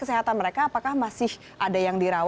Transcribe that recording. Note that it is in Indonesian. sarana perasaan an